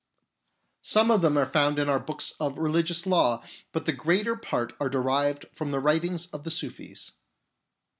' Some of them are found in our books of religious law, but the greater part are derived from the writings of the Sufis.